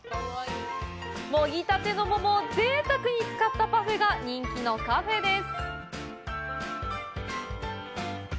もぎたての桃をぜいたくに使ったパフェが人気のカフェです。